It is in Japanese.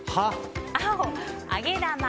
青、揚げ玉。